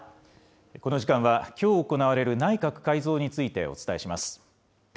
この時間はきょう行われる内閣改造についてお伝えします。